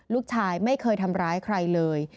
ลูกชายไม่เคยทำร้ายใครเลย